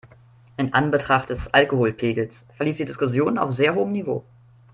In Anbetracht des Alkoholpegels verlief die Diskussion auf sehr hohem Niveau.